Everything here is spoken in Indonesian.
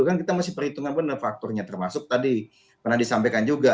kan kita masih perhitungan benar faktornya termasuk tadi pernah disampaikan juga